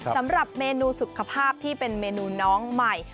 สำหรับเมนูสุขภาพที่เป็นเมนูน้องใหม่